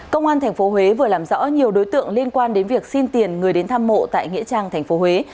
công an tp huế vừa làm rõ nhiều đối tượng liên quan đến việc xin tiền người đến thăm mộ tại nghĩa trang tp huế